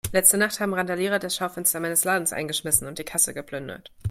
Letzte Nacht haben Randalierer das Schaufenster meines Ladens eingeschmissen und die Kasse geplündert.